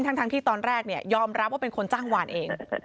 ทั้งที่ตอนแรกเนี่ยยอมรับว่าเป็นคนจ้างวานเอง